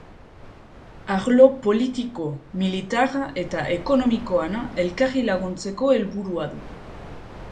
Arlo politiko, militar eta ekonomikoan elkarri laguntzeko helburua du.